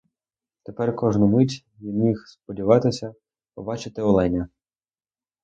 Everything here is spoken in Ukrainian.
Тепер кожну мить він міг сподіватися побачити оленя.